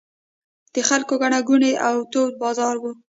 د خلکو ګڼه ګوڼې او تود بازار و.